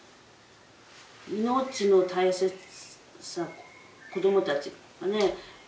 命の大切さと子どもたちとかね。